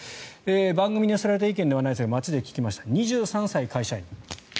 番組に寄せられた意見ではないですが街で聞きました、２３歳会社員。